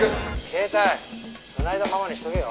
「携帯繋いだままにしとけよ」